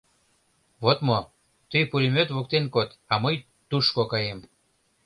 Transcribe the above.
Вот мо: тый пулемёт воктен код, а мый тушко каем.